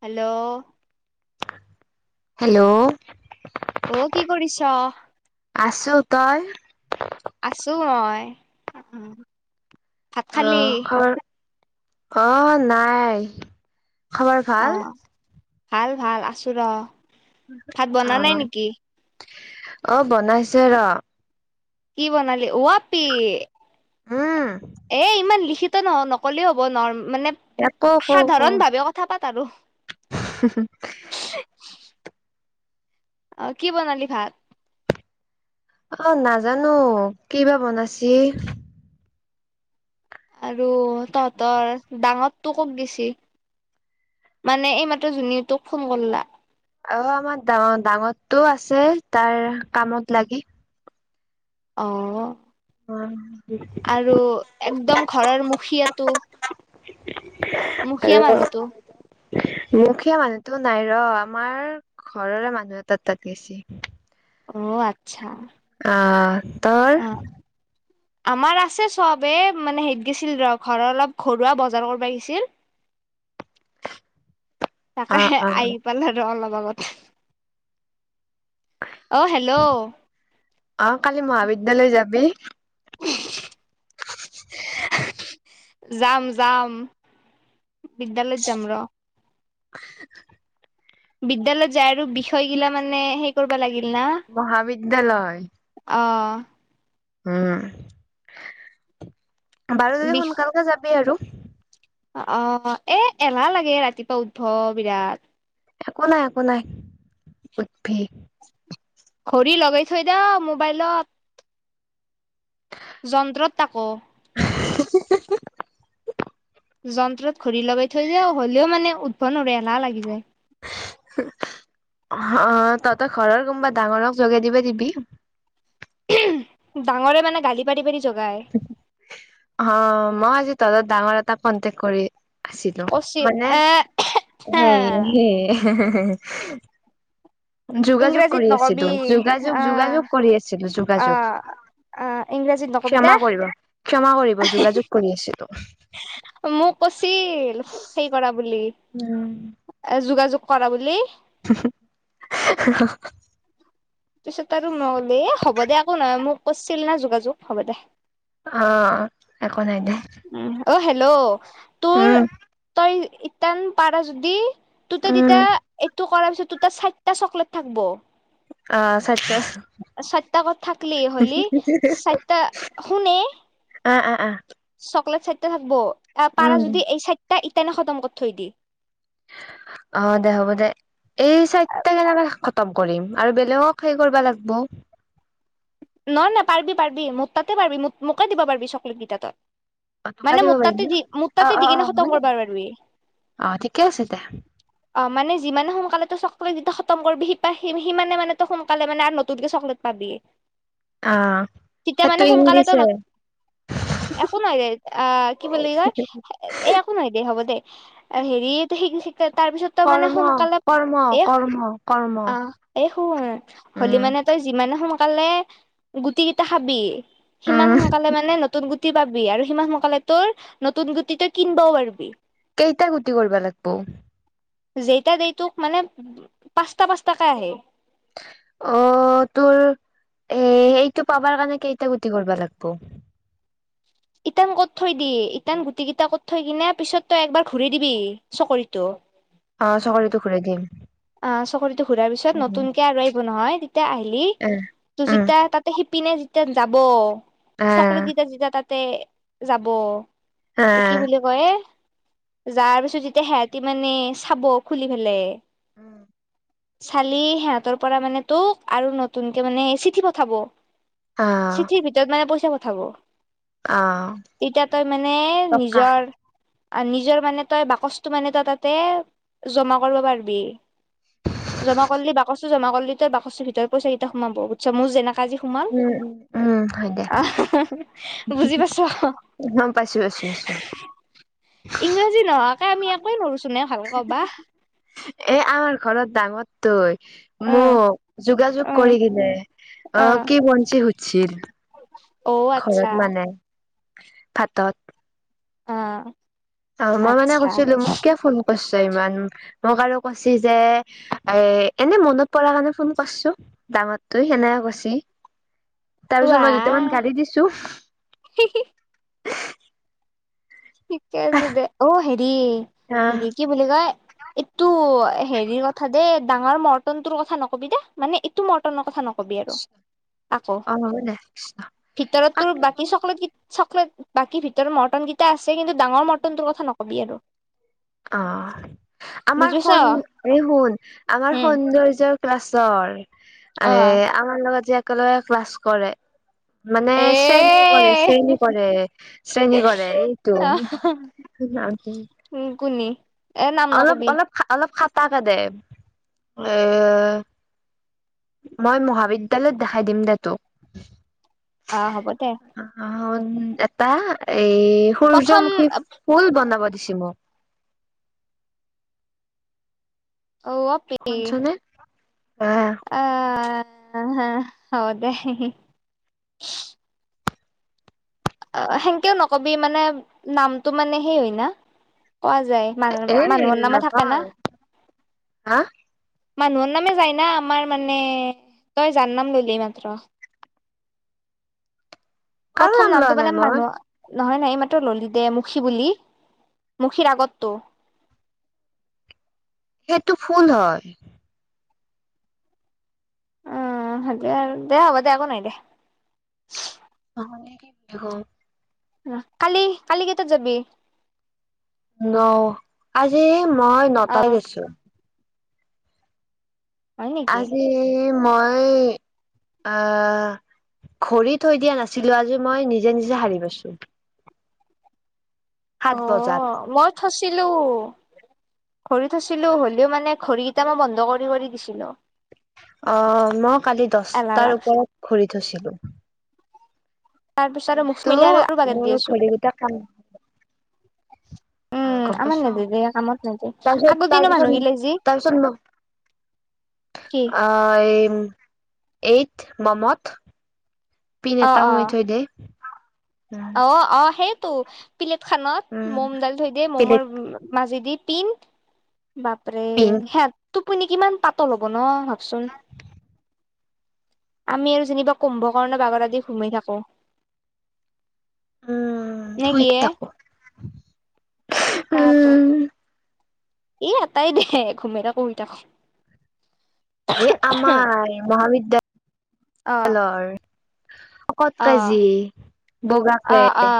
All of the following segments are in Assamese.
হেল্ল'। হেল্ল'। অ', কি কৰিছ? আছো তই? আছো মই অ'। অ', খৰ অ', নাই। খবৰ অ ভাল। ভাল, ভাল আছো ৰ। ভাত অ বনা নাই নেকি? অ', বনাইছে ৰ। কি বনালি ওআপি উম এ ইমান লিখিত তে নহয় নকলি হব নৰ্ম মানে কৌ কৌ কৌ সাধাৰণ ভাৱে কথা পাত আৰু অ', কি বনালি ভাত? অ', নাজানো কিবা বনাইছি। আৰু তহঁতৰ ডাঙৰ তোকো কত গেছি মানে এইমাত্ৰ যোনে তোক ফোন কৰলা। অ', আমাৰ ডাঙৰ ডাঙৰটো আছে তাৰ কামত লাগি। অ'। অ আৰু একদম ঘৰৰ মুখিয়াতো মুখীয়া আৰু মানুহতো- মুখীয়া মানুহটো নাই ৰ আমাৰ ঘৰৰে মানুহ এটাত তাত গেছি। অ', আ অ', তৰ অ আমাৰ আছে চবেই মানে হেইত গৈছিল ৰ ঘৰৰ অলপ ঘৰুৱা বজাৰ কৰবা গৈছিল। অ তাকেহে অ আহি পালে আৰু অলপ- আগত অ', হেল্ল' অ', কালি মহাবিদ্যালয় যাবি? [unintelligible] যাম- যাম। বিদ্যালয়ত যাম ৰ। [unintelligible] বিদ্যালয়ত যায় আৰু বিষয়গিলা মানে সেই কৰবা লাগিল না। মহাবিদ্যালয়। অঁ! উম। বাৰু যদি বিষ সোনকালকে যাবি আৰু। অ' অ' এ এলাহ লাগে এ ৰাতিপুৱা উঠবা বিৰাট। একো নাই, একো নাই, উঠবি খড়ী লগাই থৈ দা মোবাইলত। যন্ত্ৰত তাকো। [unintelligible] যন্ত্ৰত ঘড়ী লগাই থৈ যাওঁ, হ'লেও মানে উথবা নোৱাৰোঁ এলাহ লাগি যায়। আ তহঁতৰ ঘৰৰ কোনোবা ডাঙৰক জগাই দিব দিবি। ডাঙৰে মানে গালি পাৰি পাৰি জগাই হা, মা আজি ডাঙৰ এটাক কন্তেক কৰি আছিলো, কচি মানে সেই এ সেই। [unintelligible] যোগাযোগ ইংৰাজীত কৰি আছিলো, নকবি যোগাযোগ, আহ যোগাযোগ কৰি আছিলো যোগাযোগ, আহ আহ ইংৰাজীত নকবি দে ক্ষমা কৰিব, ক্ষমা কৰিব, যোগাযোগ কৰি আছিলোঁ। মোক কৈছিল, সেই কৰা বুলি যোগাযোগ কৰা বুলি। [unintelligible] পিছত আৰু নহলেই, হ'ব দে একো নহয় মোক কৈছিল না যোগাযোগ হ'ব দে। অঁ 'একো নাই দে। লওঁ। তোৰ? উম তই ইতান পাৰা যদি, তোৰ উম তেতিয়া এইটোক, কৰাৰ পিছত তোৰ তাৰ চাইটা চকলেট থাকব। অ চাৰিটা চাইটা কত থাকলি হ'লি, চাইটা, শুনে এ? অঁ-অঁ-অঁ চকলেট চাইটা থাকব। আহ উম পাৰা যদি এই চাইট তাক ইটান নে খতম কৰি থৈ দিয়ে। অঁ দে হ'ব দে, এই চাইটা কেনেবাকে [unintelligible] খত তম কৰিম আৰু বেলেগক হেই কৰিব লাগিব। নহয়-নহয় পাৰবি-পাৰবি, মোৰ তাতে পাৰবি, মোক মোকে দিব পাৰবি চকলেট কেইটা তই। অ', টকা মানে দিব মোৰ পাৰিম তাতে ন? দি মোৰ অ', তাতে দি অ', কিনে অ', হ'ব খতম দে। কৰিবা পাৰবি, অ', ঠিকে আছে দে। অ মানে যিমানে সোনকালে তোৰ চকলেটকিটা খতম কৰিবি সি-সি-সিমানে মানে তই সোনকালে মানে আৰু নতুনকে চকলেট পাবি। অ', তেতিয়া সেইটো মানে সোনকালে তোৰ ইংলিছে নতুন, একো নহয় দে, আহ! কি বুলি কয়? এ একো নহয় দে, হ'ব দে হেৰি, তাৰ পিছত তই মানে কৰ্ম সোনকালে কৰ্ম এ কৰ্ম কৰ্ম অ [unintelligible] হ'লি উম, মানে তই যিমানে সমা কালে গুটি কেইটা খাবি সিমান উম, সোনকালে মানে নতুন গুট টি পাবি আৰু সিমান সোনকালে তোৰ নতুন গুটি তই কিনিবও পাৰিবি কেইটা গুটি কৰিব লাগবো যেইতা দেইটোক মানে পাঁচটা পাঁচটাকে আহে অ তোৰ এ এইটো পাবাৰ কাৰণে কেইটা গুটি কৰিব লাগিব ইটান কত থৈ দি ইটান গুটি কেইটা কত থৈ কিনে পিছত তই একবাৰ ঘূৰি দিবি চকৰিটো অ চাকৰিতো ঘূৰাই দিম অ চকৰিটো ঘূৰাৰ পিছত উম, নতুনকে আৰু আহিব নহয় তে আহিলি তো উম, যেতিয়া তাতে সিপিনে যে তিয়ান যাব আ, চকলেট কেইটা যেতিয়া তাত তে যাব আ। এ কি বুলি কয়ে যাৰ পিছত যেতিয়া সিহঁতি মানে চাব খুলি পেলাই, চালি সিহঁতৰ পৰা মানে তোক আৰু নতুনকে মানে চিঠি পঠাব। অ', চিঠিৰ ভিতৰত মানে পইচা, থব! অ', তেতিয়া তই মানে টকা। নিজৰ, নিজৰ মানে তই বাকচটো মানে তই তাতে জমা কৰিব পাৰিবি। জমা কৰিলি বাকচটো জমা কৰিলি তই বাকচৰ ভিতৰত পইচা কেইটা সোমাব বুছ মোৰ যেনেকা, আজি সোমাল উম, উম, উম, হয় দে। আহ বুজি পাইছ গম পাইছোঁ, পাইছোঁ, পাইছোঁ। ইংৰাজী নহয়। এই আমি একোৱেই নোৱাৰো চোন তোনে ভাল কবা, এ আমাৰ ঘৰত ডাঙৰ তই অ মোক যোগাযোগ অ কৰি কিনে অ কি বঞ্চি সুধছিল। অ ঘৰত আচ্ছা মানে ভাতত অ! অ মই মানে আচ্ছা কৈছিলো মোক কিয় ফোন কৰিছা। ইমান মোক আৰু কৈছ যে এ এনেই মনত পাৰ কাৰণে ফোন কৰিছো ডাঙৰটোৱে সেনেকা কৈছি। তাৰপিছত মই দুটামান ৱাহ গালি‌ দিছো। ঠিকে আছে দে অ হেৰি আহ হেৰি কি বুলি কয় এইটো হেৰিৰ কথা দেই ডাঙৰ মৰ্টন তোৰ কথা নকবি দে মানে এইটো মটনৰ কথা নকবি। আৰু আকৌ অ হ'ব দে ভিতৰত তোৰ বাকী চকলেট চকলেট বাকী ভিতৰত মৰ্টন পেছে কিন্তু ডাঙৰ মটনটোৰ কথা নকবি আৰু। অ আমাৰ বুজি স পাইছ শুন আমাৰ উম সৌন্দৰ্য ক্লাছৰ এ অ আমাৰ লগত যে স ক্লাছ কৰে। মানে শ্ৰেণী কৰে, এ শ্ৰেণী কৰে, শ্ৰেণী কৰে এইটো আহ কোনি এ নাম অলপ নকবি অলপ অলপ খা তাকা দে এ মই মহাবিদ্যালয়ত দেখাই দিম দে তোক। আহ হ'ব দে। অ এটা এই প্ৰথম সূৰ্যমুখী ফুল বনাব দিছে মোক। অ আপি শুনছনে আহ অ অ হা হ' দে অ' সেনেকেও নকবি মানে নামটো মানে সেই হয় না। কোৱা যায় মানুহ এ মানুহৰ নামে থাকে না। নহয় হা মানুহৰ নামে যায় নি আমাৰ মানে তই যাননাম ললি মাত্ৰ। আৰু প্ৰথম নাম লোৱা নামটো মানে নাই। মই মানুহ। নহয় নাই ই মাত্ৰ ললি দে মুখী বুলি মুখীৰ আগততটো। সেইটো ফুল হয়। উম দে হ'ব দে একো নাই দে। [inaudible] আহ কালি কালি কেইটাত যাবি? অ 'আজি মই অ নটাৰে গেছো। হয় নেকি আজি মই, আহ, ঘড়ী থৈ দিয়া নাছিলো আজি মই নিজে নিজে হাৰি পছো। অহ মই থৈছিলো। ঘড়ী থৈছিলোঁ হলেও মানে ঘড়ীকেইটা মই বন্ধ কৰি কৰি দিছিলো। অ মই। কালি এলাহ দহটাৰ লাগছে ওপৰত ঘূৰি থৈছিলো। তাৰ পিছত আৰু মুখ এন্ত মেলি আৰু আৰু বাগেত দি মোৰো আছো ভৰি গীতা কাম। আহ উম গম আমাৰ পাইছো, নেদে দে কামত নেদে তাৰপিছত, আগৰ দিনৰ তাৰপিছত মানুহগিলাই যি তাৰপিছত কি আহ এই। এইট মমত। পিন অ এটা অ সোমাই থৈ দে। অ -অ সেই। তো প্লেট খনত, উম মম দাইল থৈ দিয়ে ম'মৰ পিলেত মাজি দি। পিন। বাপৰে পিন হ। টোপনি কিমান পাতল ল'ব ন। শূন। আমি আৰু যেনিবা কুম্ভ কাৰণে বাগত আদি ঘুমি থাকো। উম শুই নেকি এ থাকো তা ত। উম এ আটাই দে ঘুমাই থাক শুই থাক। এ আমাৰ মহাবিদ্যা অ দালৰ। শকট অ কাজি, অ বগাকে। অ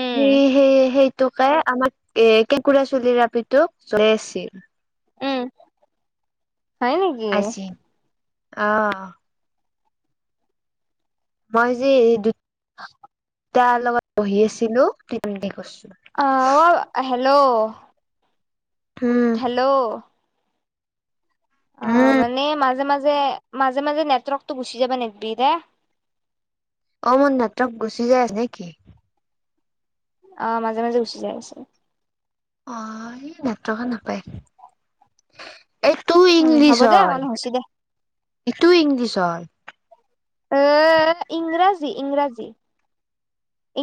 উম সেইয়ে সেই সেইট। টকা আমাক এ কেঁকুৰা চুলি আপিটোক জই আছি উম। হয় নেকি? আছিল আহ। মই যে দুদ [unintelligible] তা লগত বহি আছিলো তেন্তে কছ অহ আও হেল্ল'। উম থেল্ল'। অ উম মানে মাজে মাজ যে মাজে মাজে নেটৱৰ্কটো গুচি যাবা নেদবি দে। অ মন নেট্ৰক গুচি যায় আছে নেকি। অ মাজে মাজে উচি যায় আছে। আহ এই নেট্ৰকে নাপায়। এইটো উম ইংলিছ হ'ব দে অন হয় হৈছি দে এইটো ইংলিছ হয়। এ ইংৰাজী, ইংৰাজী,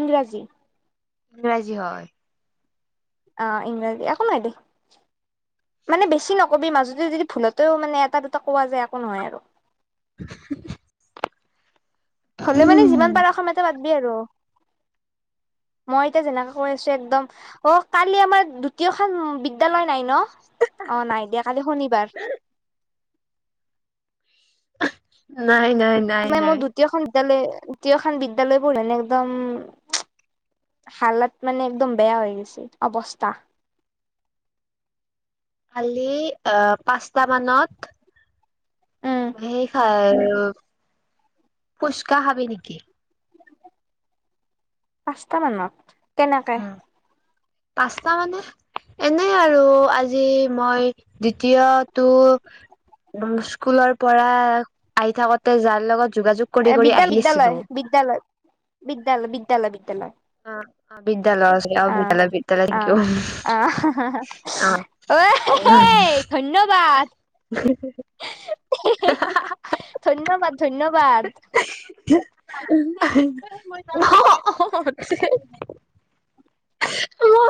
ইংৰাজী। ইংৰাজী হয়। অ ইংৰাজী একো নহয় দে মানে বেছি নকবি মাজতে যদি ভুলতেও মানে এটা দুটা কোৱা যায় একো নহয় আৰু। [unintelligible] হলে মানে যিমান পাৰা অসমীয়াতে পাতবি। আৰু মই এতিয়া যেনেকে কৈ আছো একদম অ কালি আমাৰ দ্বুতীয় খান বিদ্যালয় নাই ন। অ নাই দে কালি শনিবাৰ। [unintelligible] নাই নাই নাই মানে মোৰ নাই। দ্বিতীয়খন বিদ্যালয় দ্বুতীয়খান বিদ্যয়ালয়বোৰ মানে একদম হালাত মানে একদম বেয়া হৈ গেইছি অৱস্থা। কালি অ পাঁচটা মানত। উম সেই খা ফুচকা খাবি নেকি? পাঁচটা মানত? কেনেকে। উম পাঁচটা মানে এনে আৰু আজি মই দ্বিতীয়টো স্কুলৰ পৰা আহি থাকোতে যাৰ লগত। যোগাযোগ কৰি কৰি বিদ্যাল আহি আছিলো। বিদ্যালয় বিদ্যালয় বিদ্যালয় বি। তেলবি বিদ্যালয়। আহ অ আহ আহ [inaudible] ঐ ধন্যবাদ অ। [inaudible] ধন্যবাদ ধন্যবাদ। [unintelligible] [unintelligible] ম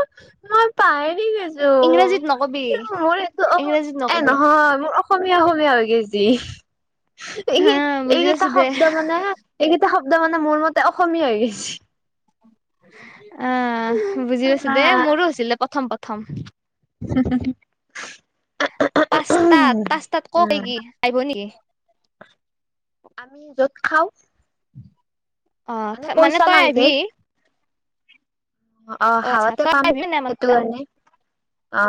মই পাইৰি গৈছো ইংৰাজীত নকবি মোৰ এইটো অ ইংৰাজীত এ নকবি নহয় মোৰ। অসমীয়া অসমীয়া হৈ গে ছে। এই হা বুজি পাইছো এইকেইটা দে শব্দ মানে এই। এটা শব্দ মানে মোৰ মতে অসমীয়া হৈ গৈছে। অ বুজি পাইছো দেই মোৰো হৈছিলে প্ৰথম পথম। থম। [unintelligible] পচাত পাঁচ্তাত কওক উম নেকি আহিব নেকি। ত'ত খাওঁ। অ মানে পইচা তই নালগে আহিবি। অ আচ্ছা হাৱতে তই পাম আহিবি নাই আমাৰ সেইটো তাত কাৰণে। অ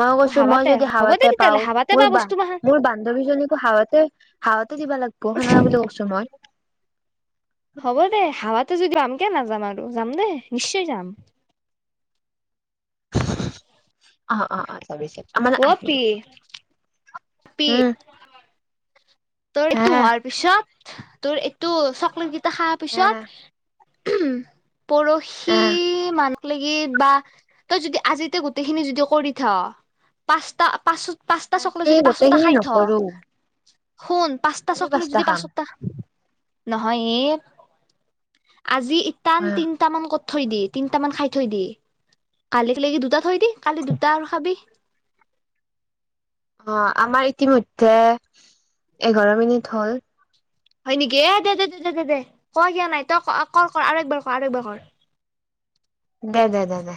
মই অ কৈছো মই হাৱাতে যদি হ'ব দে হাৱতে তেতিয়াহ'লে পাও হাৱাতে বা মোৰ বস্তু মাখান মোৰ বান্ধৱীজনীকো হাৱতে হাৱতে দিবা লাগিব হেনা বুলি কৈছো মই। একে নাযাম আৰু যাম দেই নিশ্চয় যাম। অ অ অ পি আমালে অ আইি। পি পি, তৰেটো হা হোৱাৰ পিছত। তোৰ এইটো চকলেট। দেখা হা পিছত। উম পৰশি আহ মান। লিগি বা তই যদি আজিতে গোটখিনি যদি কৰি থ পাঁচ পচ। পাঁচটা আজি চকলেট যদি পাঁচটা গোটেইখিনি খাই থ। নকৰো শুন পাঁচটা কালি চকলেট যদি খাম পাঁচটা নহয় এই। আজি ইটান তিনিটামান কথা। থৈ দি তিনিটা মান খাই থৈ দি কাল লাগি দুটাত। থৈ দি কালি দুটা আৰু খাবি। অ' আমাৰ ইতিমধ্যে এঘাৰ মিনিট হল। হয় নেকি এ দে দে ক কিয়া নাই তই ক কৰ আৰু একবাৰ কৰ আৰু একবাৰ কৰ। দে দে দে দে।